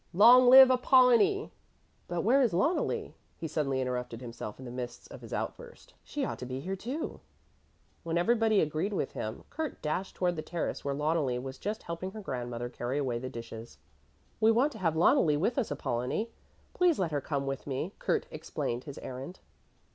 Long live Apollonie! But where is Loneli?" he suddenly interrupted himself in the midst of his outburst; "she ought to be here, too." When everybody agreed with him, Kurt dashed towards the terrace where Loneli was just helping her grandmother carry away the dishes. "We want to have Loneli with us, Apollonie. Please let her come with me," Kurt explained his errand.